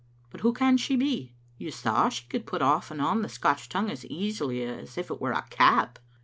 But who can she be? You saw she could put on and off the Scotch tongue as easily as if it were a cap.